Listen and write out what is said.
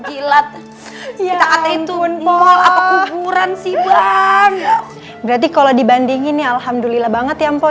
jilat ya itu kuburan sih banget berarti kalau dibandingin nih alhamdulillah banget ya mpok